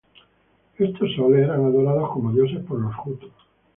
Estos "soles" eran adorados como dioses por los hutt.